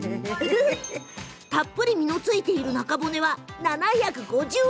たっぷり身のついている中骨は７５０円。